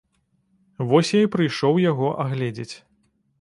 Вось я і прыйшоў яго агледзець.